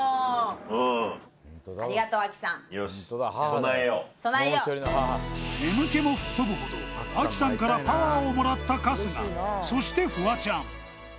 備えよう眠気も吹っ飛ぶほどあきさんからパワーをもらった春日そしてフワちゃん